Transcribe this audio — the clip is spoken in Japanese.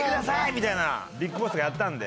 みたいなＢＩＧＢＯＳＳがやったんで。